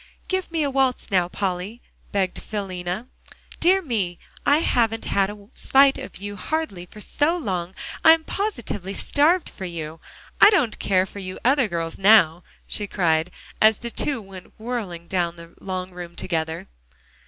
"Give me a waltz now, Polly," begged Philena. "Dear me, I haven't had a sight of you hardly, for so long, I am positively starved for you. I don't care for you other girls now," she cried, as the two went whirling down the long room together.